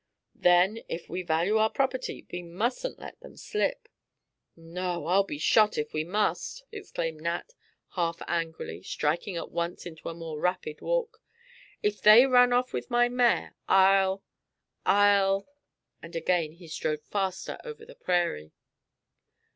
"Then, if we value our property, we mustn't let them slip." "No; I'll be shot, if we must!" exclaimed Nat, half angrily, striking at once into a more rapid walk. "If they run off with my mare, I'll I'll " and again he strode faster over the prairie.